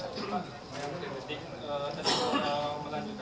yang tadi saya menjelaskan bahwa